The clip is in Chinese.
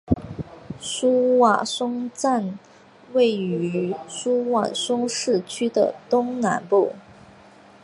苏瓦松站位于苏瓦松市区的东南部。